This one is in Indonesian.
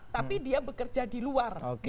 tapi dia bekerja di luar